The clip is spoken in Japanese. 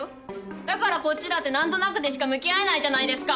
だからこっちだって何となくでしか向き合えないじゃないですか。